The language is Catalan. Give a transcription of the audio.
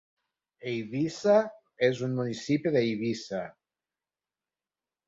Eivissa és un municipi d'Eivissa.